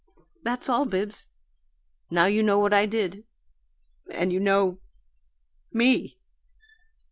That's all, Bibbs. Now you know what I did and you know ME!"